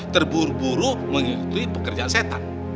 terburu buru mengikuti pekerjaan setan